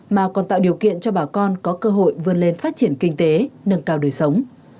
mà còn tạo điều kiện cho bà con có cơ hội vươn lên phát triển kinh tế nâng cao đời sống